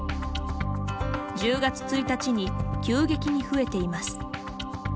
１０月１日に急激に増えています。